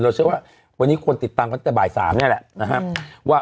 เราเชื่อว่าวันนี้ควรติดตามเขาตั้งแต่บ่าย๓นี่แหละ